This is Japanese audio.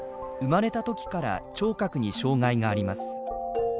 生まれたときから聴覚に障害があります。